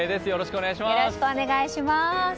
よろしくお願いします。